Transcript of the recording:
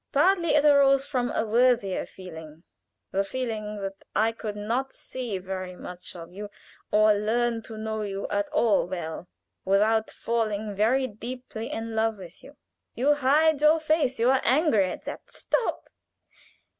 Partly it arose from a worthier feeling the feeling that I could not see very much of you or learn to know you at all well without falling very deeply in love with you. You hide your face you are angry at that " "Stop.